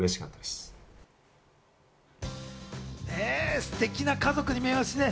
すてきな家族に見えますね。